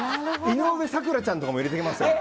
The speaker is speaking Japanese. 井上咲楽ちゃんとかも入れてみました。